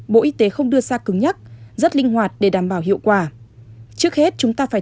bộ y tế không đưa ra cứng nhắc rất linh hoạt để đảm bảo hiệu quả trước hết chúng ta phải